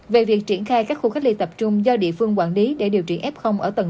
về việc triển khai các khu cách ly tập trung do địa phương quản lý để điều trị f ở tầng hai